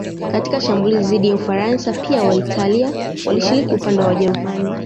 Katika shambulizi dhidi ya Ufaransa pia Waitalia walishiriki upande wa Wajerumani